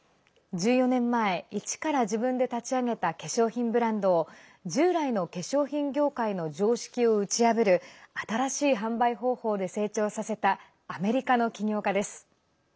１４年前一から自分で立ち上げた化粧品ブランドを従来の化粧品業界の常識を打ち破る新しい販売方法で成長させたアメリカの起業家です。